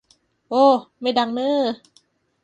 โอ้ ไม่ดังเน้อ